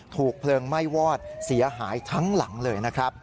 ถูกเพลิงไหม้วอดเสียหายทั้งหลังเลยนะครับ